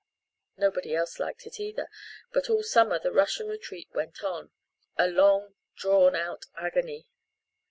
Nobody else liked it either; but all summer the Russian retreat went on a long drawn out agony.